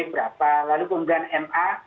berapa lalu kemudian ma